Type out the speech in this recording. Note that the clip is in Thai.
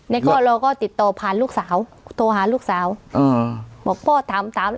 แล้วก็เราก็ติดต่อผ่านลูกสาวโทรหาลูกสาวบอกพ่อถามสาม